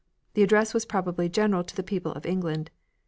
The ad dress was probably general to the people of England.